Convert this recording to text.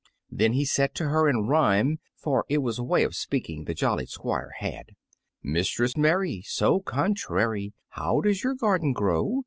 Then he said to her in rhyme (for it was a way of speaking the jolly Squire had), "Mistress Mary, so contrary, How does your garden grow?